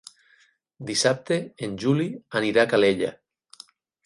Dissabte en Juli anirà a Calella.